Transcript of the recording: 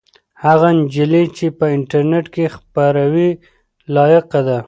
هغه نجلۍ چې په انټرنيټ کې خپروي لایقه ده.